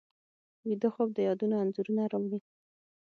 ویده خوب د یادونو انځورونه راوړي